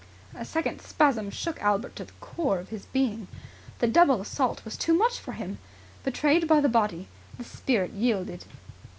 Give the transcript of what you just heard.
A second spasm shook Albert to the core of his being. The double assault was too much for him. Betrayed by the body, the spirit yielded.